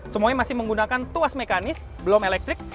semuanya masih menggunakan tuas mekanis belum elektrik